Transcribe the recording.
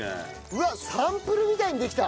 うわっサンプルみたいにできた！